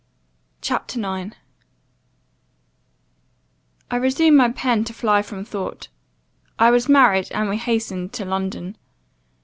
CHAPTER 9 "I RESUME my pen to fly from thought. I was married; and we hastened to London.